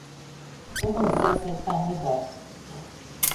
Ugunsdzēsēji tā nedara.